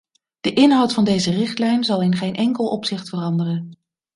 De inhoud van deze richtlijn zal in geen enkel opzicht veranderen.